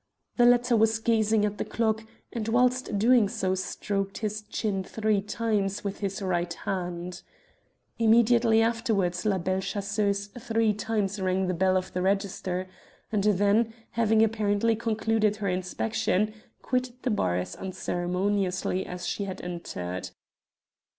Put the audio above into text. The latter was gazing at the clock, and whilst doing so stroked his chin three times with his right hand. Immediately afterwards La Belle Chasseuse three times rang the bell of the register, and then, having apparently concluded her inspection, quitted the bar as unceremoniously as she had entered.